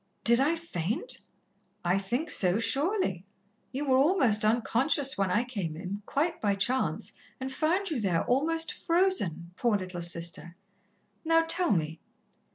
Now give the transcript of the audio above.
"Did I faint?" "I think so, surely. You were almost unconscious when I came in, quite by chance, and found you there, almost frozen, poor little Sister! Now tell me